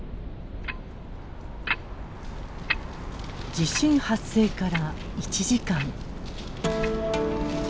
地震発生から１時間。